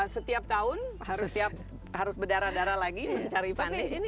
setiap tahun harus berdarah darah lagi mencari panen